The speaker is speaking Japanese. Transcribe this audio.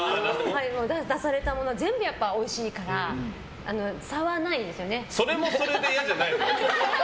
出されたもの全部おいしいからそれもそれで嫌じゃないの？